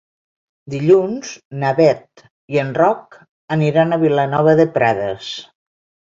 Dilluns na Bet i en Roc aniran a Vilanova de Prades.